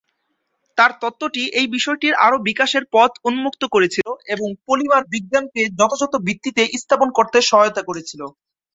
তাঁর তত্ত্বটি এই বিষয়টির আরও বিকাশের পথ উন্মুক্ত করেছিল এবং পলিমার বিজ্ঞানকে যথাযথ ভিত্তিতে স্থাপন করতে সহায়তা করেছিল।